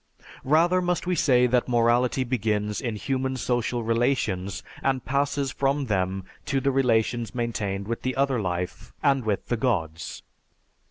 "Rather must we say that morality begins in human social relations and passes from them to the relations maintained with the other life and with the Gods.